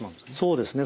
そうですね。